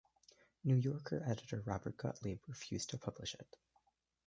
New Yorker editor Robert Gottlieb refused to publish it.